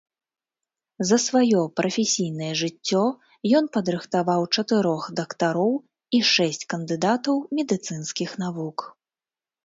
За сваё прафесійнае жыццё ён падрыхтаваў чатырох дактароў і шэсць кандыдатаў медыцынскіх навук.